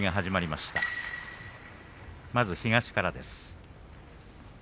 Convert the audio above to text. まず東からです。